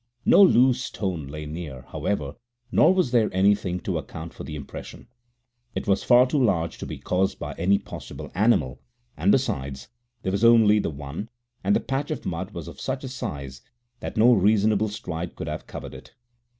No loose stone lay near, however, nor was there anything to account for the impression. It was far too large to be caused by any possible animal, and besides, there was only the one, and the patch of mud was of such a size that no reasonable stride could have covered it.